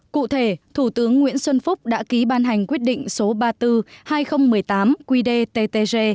cụ thể thủ tướng nguyễn xuân phúc đã ký ban hành quyết định số ba mươi bốn hai nghìn một mươi tám qdttg